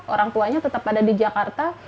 orang tuanya tetap ada di jakarta